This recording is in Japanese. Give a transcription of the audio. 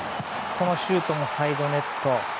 このシュートもサイドネット。